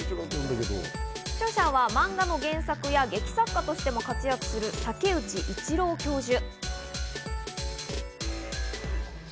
著者は漫画の原作や劇作家としても活躍する竹内一郎教授。